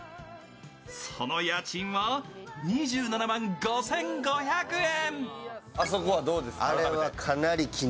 その家賃は２７万５５００円。